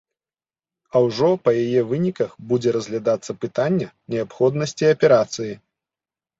А ўжо па яе выніках будзе разглядацца пытанне неабходнасці аперацыі.